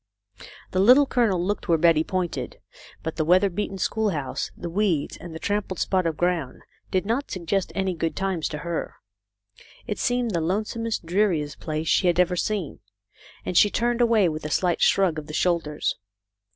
The Little Colonel looked where Betty pointed, but the weather beaten schoolhouse, the weeds, and the trampled spot of ground did not suggest any good times to her. It seemed the lonesomest, dreari est place she had ever seen, and she turned away with a slight shrug of the shoulders.